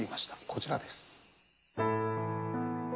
こちらです。